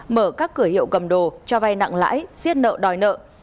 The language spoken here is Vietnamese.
mở các cửa hiệu gầm đồ cho vai nặng lãi xiết nợ đòi nợ